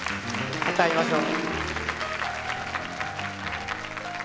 また会いましょう。